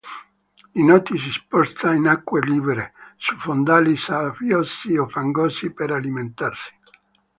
Di notte si sposta in acque libere su fondali sabbiosi o fangosi per alimentarsi.